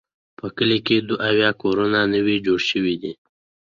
په کلي کې دوه اویا کورونه نوي جوړ شوي دي.